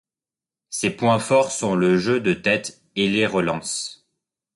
Ses points forts sont le jeu de tête et les relances.